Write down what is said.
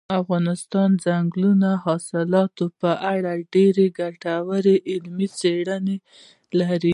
افغانستان د ځنګلي حاصلاتو په اړه ډېرې ګټورې علمي څېړنې لري.